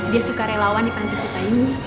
dia suka relawan di pantai kita ini